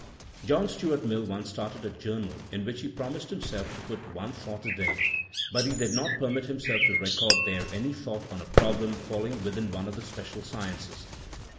John Stuart Mill once started a journal in which he promised himself to put one thought a day, but he did not permit himself to record there any thought on a prob lem falling within one of the special sciences.